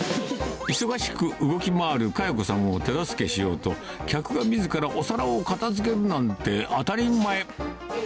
忙しく動き回る香代子さんを手助けしようと、客がみずからお皿を片づけるなんて、当たり前。